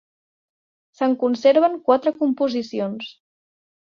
Se'n conserven quatre composicions.